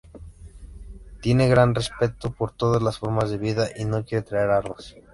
Tiene gran respeto por todas las formas de vida y no quiere traer armas.